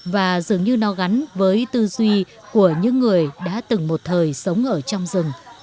và dường như nó gắn với tư duy của những người đã từng một thời sống ở trong rừng